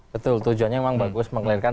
betul tujuannya memang bagus meng clearkan